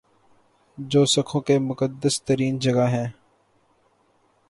جو سکھوں کی مقدس ترین جگہ ہے